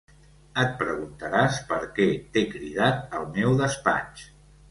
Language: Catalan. Et preguntaràs per què t'he cridat al meu despatx.